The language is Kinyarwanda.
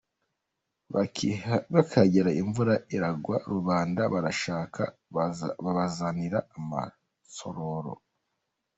Bakihagera imvura iragwa ,Rubanda barashika babazanira amasororo .